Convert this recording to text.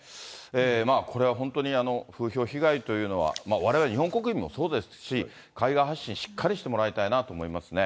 これは本当に、風評被害というのはわれわれ日本国民もそうですし、海外発信、しっかりしてもらいたいなと思いますね。